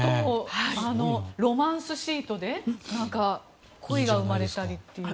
ロマンスシートで恋が生まれたりみたいな。